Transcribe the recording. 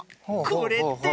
これって。